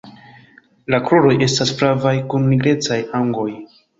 La kruroj estas flavaj kun nigrecaj ungoj.